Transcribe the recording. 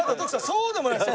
そうでもないです。